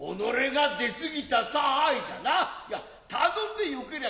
いや頼んでよけりゃ